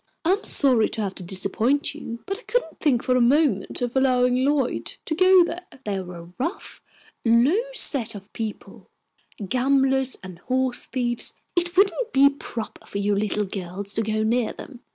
"I am sorry to have to disappoint you, but I couldn't think for a moment of allowing Lloyd to go there. They are a rough, low set of people, gamblers and horse thieves. It wouldn't be proper for you little girls to go near them.